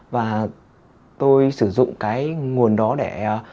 và tôi sử dụng cái nguồn đó để